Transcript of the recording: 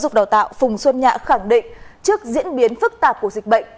dục đào tạo phùng xuân nhạ khẳng định trước diễn biến phức tạp của dịch bệnh